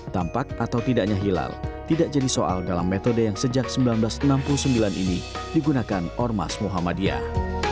tampak atau tidaknya hilal tidak jadi soal dalam metode yang sejak seribu sembilan ratus enam puluh sembilan ini digunakan ormas muhammadiyah